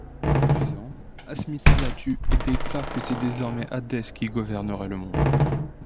Refusant, Asmita la tue et déclare que c’est désormais Hadès qui gouvernerait le monde.